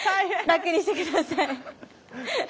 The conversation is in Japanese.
楽にして下さい。